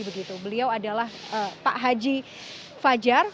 beliau adalah pak haji fajar